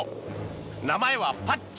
名前はパッチ。